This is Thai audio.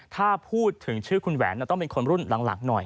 ถ้าพูดถึงชื่อคุณแหวนต้องเป็นคนรุ่นหลังหน่อย